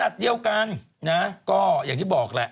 เดียวกันนะก็อย่างที่บอกแหละ